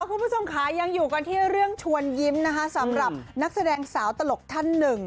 คุณผู้ชมค่ะยังอยู่กันที่เรื่องชวนยิ้มนะคะสำหรับนักแสดงสาวตลกท่านหนึ่ง